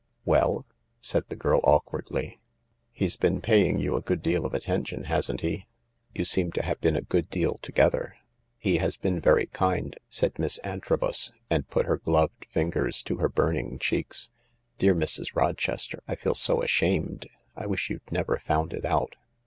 " Well ?" said the girl awkwardly. " He's been paying you a good deal of attention, hasn't he ? You seem to have been a good deal together." " He has been very kind," said Miss Antrobus, and put her gloved fingers to her burning cheeks. "Dear Mrs. Rochester — I feel so ashamed, I wish you'd never founds it out."